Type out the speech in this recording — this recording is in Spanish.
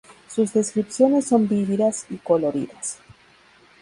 Sus descripciones son vívidas y coloridas.